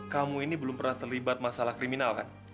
kamu ini belum pernah terlibat masalah kriminal kan